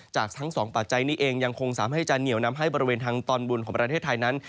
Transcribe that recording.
จากทั้งสองปัจจัยนี้เองยังคงสามารถให้จะเหนียวนำให้บริเวณทางตอนบนของประเทศไทยนั้น